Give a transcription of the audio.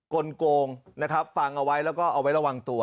กลงฟังเอาไว้แล้วก็เอาไว้ระวังตัว